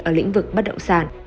ở lĩnh vực bất động sản